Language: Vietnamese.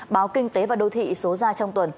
báo kinh tế và đô thị số ra trong tuần